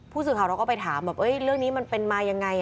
ผู้สื่อข่าวเราก็ไปถามแบบเรื่องนี้มันเป็นมายังไง